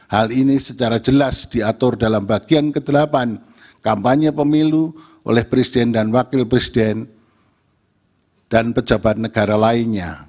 hal ini secara jelas diatur dalam bagian kedelapan kampanye pemilu oleh presiden dan wakil presiden dan pejabat negara lainnya